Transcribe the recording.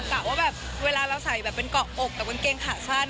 กะว่าแบบเวลาเราใส่แบบเป็นเกาะอกกับกางเกงขาสั้น